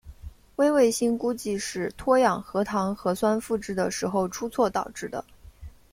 微卫星估计是脱氧核糖核酸复制的时候出错导致的。